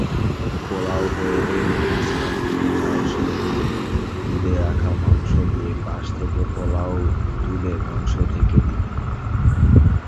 পোলাও হয়ে এলে মাঝখান থেকে চাল সরিয়ে তুলে রাখা মাংস দিয়ে পাশ থেকে পোলাও তুলে মাংস ঢেকে দিন।